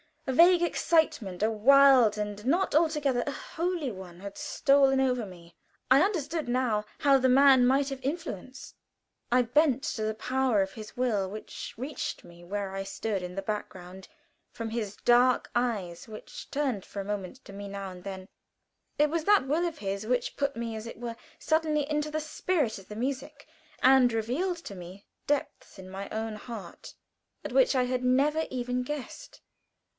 A vague excitement, a wild, and not altogether a holy one, had stolen over me. I understood now how the man might have influence. I bent to the power of his will, which reached me where I stood in the background, from his dark eyes, which turned for a moment to me now and then. It was that will of his which put me as it were suddenly into the spirit of the music, and revealed me depths in my own heart at which I had never even guessed.